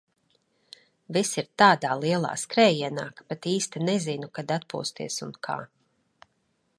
Viss ir tādā lielā skrējienā, ka pat īsti nezinu, kad atpūsties un kā.